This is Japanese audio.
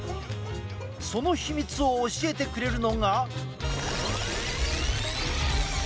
その秘密を教えてくれるのが。